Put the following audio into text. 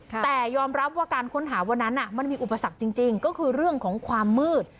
แต่ยอมรับว่าการค้นหาวันนั้นมันมีอุปสรรคจริงก็คือเรื่องของความมืด